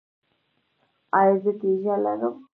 ایا زه تیږه لرم؟